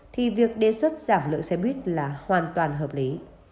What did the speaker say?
thì việc đề xuất giảm lượng xe buýt là hoàn toàn hợp lý